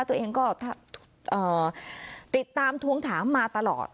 ตัวเองก็ติดตามทวงถามมาตลอด